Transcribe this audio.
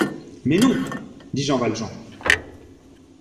Mais non, dit Jean Valjean.